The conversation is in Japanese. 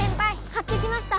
買ってきました！